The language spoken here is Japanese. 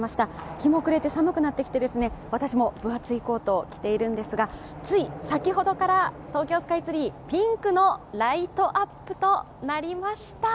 日も暮れて寒くなってきて、私も分厚いコートを着ているんですが、つい先ほどから東京スカイツリーピンクのライトアップとなりました。